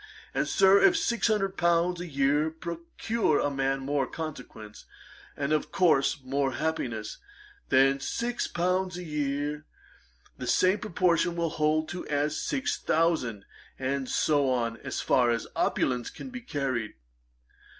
And, Sir, if six hundred pounds a year procure a man more consequence, and, of course, more happiness than six pounds a year, the same proportion will hold as to six thousand, and so on as far as opulence can be carried.